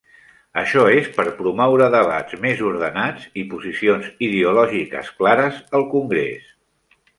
Això és per promoure debats més ordenats i posicions ideològiques clares al Congrés.